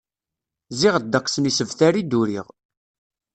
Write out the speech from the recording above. Ziɣ ddeqs n yisebtar i d-uriɣ.